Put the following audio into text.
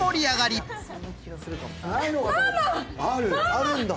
あるんだ！